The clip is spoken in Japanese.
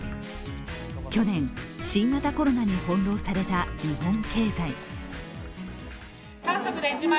去年、新型コロナに翻弄された日本経済。